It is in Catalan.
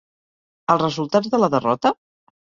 Els resultats de la derrota?